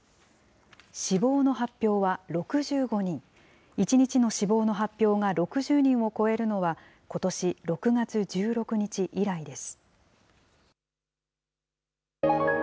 死亡の発表は６５人、１日の死亡の発表が６０人を超えるのは、ことし６月１６日以来です。